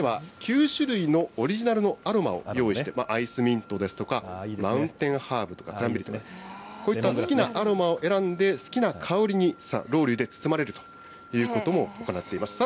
こちらでは９種類のオリジナルのアロマを用意して、アイスミントですとか、マウンテンハーブとか、こういった好きなアロマを選んで、好きな香りにロウリュで包まれるということも行っています。